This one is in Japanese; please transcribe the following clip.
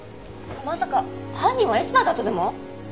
まさか犯人はエスパーだとでも？